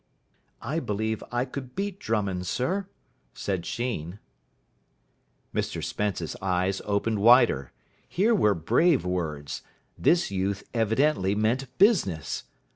"I believe I could beat Drummond, sir," said Sheen. Mr Spence's eyes opened wider. Here were brave words. This youth evidently meant business.